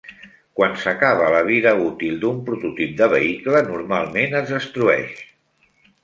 Quan s"acaba la via útil d"un prototip de vehicle, normalment es destrueix.